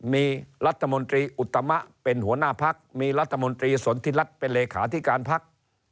มีรัฐมนตรีอุตมะเป็นหัวหน้าพักมีรัฐมนตรีสนทิรัฐเป็นเลขาธิการพัก